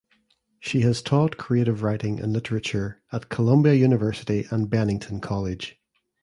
She has taught Creative Writing and Literature at Columbia University and Bennington College.